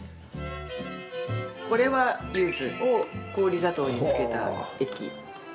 これはゆずを氷砂糖に漬けた液。